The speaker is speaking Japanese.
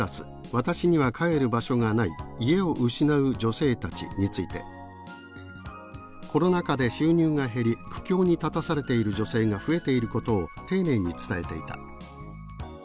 「“私には帰る場所がない”家を失う女性たち」について「コロナ禍で収入が減り苦境に立たされている女性が増えていることを丁寧に伝えていた。